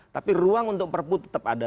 tapi ruang untuk perpu tetap ada